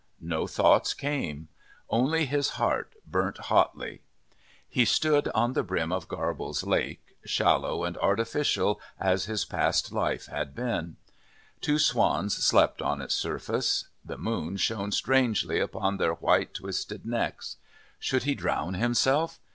No thoughts came; only his heart burnt hotly. He stood on the brim of Garble's lake, shallow and artificial as his past life had been. Two swans slept on its surface. The moon shone strangely upon their white, twisted necks. Should he drown himself?